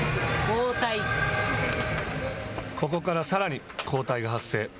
ここから、さらに交代が発生。